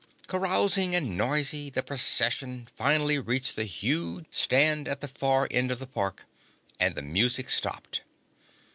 Carousing and noisy, the Procession finally reached the huge stand at the far end of the park, and the music stopped.